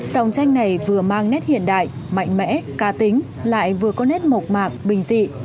dòng tranh này vừa mang nét hiện đại mạnh mẽ ca tính lại vừa có nét mộc mạc bình dị